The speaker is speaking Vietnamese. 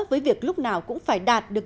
với việc lúc nào cũng phải đạt được